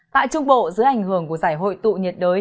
tại trung bộ dưới ảnh hưởng của giải hội tụ nhiệt đới